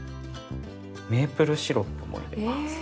メープルシロップも入れます。